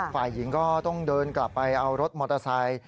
ฝ่ายหญิงก็ต้องเดินกลับไปเอารถมอเตอร์ไซค์